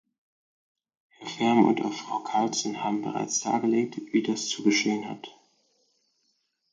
Herr Färm und auch Frau Carlsson haben bereits dargelegt, wie das zu geschehen hat.